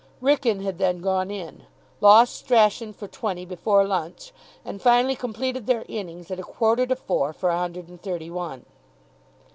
Wrykyn had then gone in, lost Strachan for twenty before lunch, and finally completed their innings at a quarter to four for a hundred and thirty one.